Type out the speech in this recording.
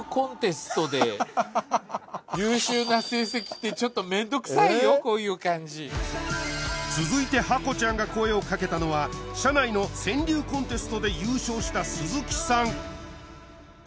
ってちょっとめんどくさいよこういう感じ続いてハコちゃんが声をかけたのは社内の川柳コンテストで優勝した鈴木さん